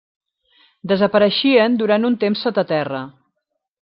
Desapareixien durant un temps sota terra.